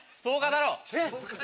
えっ？